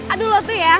aduh lo tuh ya